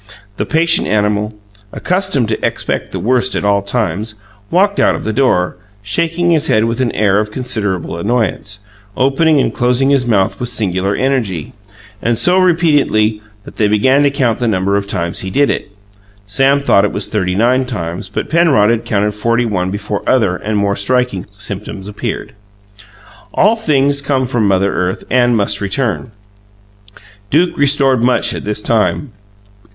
The patient animal, accustomed to expect the worst at all times, walked out of the door, shaking his head with an air of considerable annoyance, opening and closing his mouth with singular energy and so repeatedly that they began to count the number of times he did it. Sam thought it was thirty nine times, but Penrod had counted forty one before other and more striking symptoms appeared. All things come from Mother Earth and must return Duke restored much at this time.